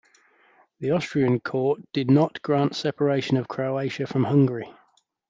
The Austrian court did not grant the separation of Croatia from Hungary.